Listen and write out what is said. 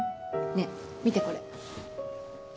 ねえ見てこれ。